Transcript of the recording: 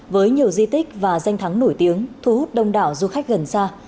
với nhiều di tích và danh thắng nổi tiếng thu hút đông đảo du khách gần xa